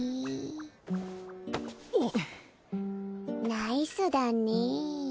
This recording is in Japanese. ナイスだね。